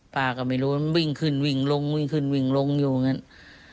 ป้าก็ไม่รู้มันวิ่งขึ้นวิ่งลงวิ่งขึ้นวิ่งลงอยู่อย่างนั้น